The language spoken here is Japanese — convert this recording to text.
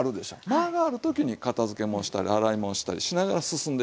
間がある時に片づけもんしたり洗いもんしたりしながら進んでいくんですわ。